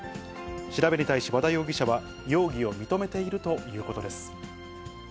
調べに対し和田容疑者は、容疑を認めているということです。